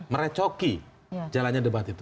merecoki jalannya debat itu